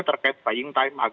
terkait buying time